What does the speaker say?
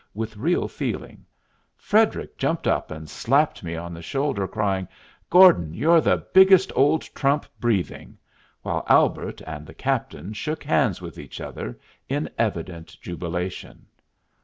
with real feeling; Frederic jumped up and slapped me on the shoulder, crying, "Gordon, you're the biggest old trump breathing;" while Albert and the captain shook hands with each other, in evident jubilation.